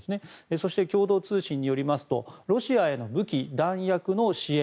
そして共同通信によりますとロシアへの武器・弾薬の支援